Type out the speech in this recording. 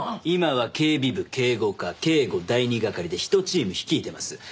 今は警備部警護課警護第２係で１チーム率いてます。